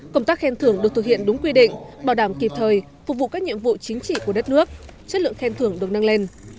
công tác khen thưởng được thực hiện đúng quy định bảo đảm kịp thời phục vụ các nhiệm vụ chính trị của đất nước chất lượng khen thưởng được nâng lên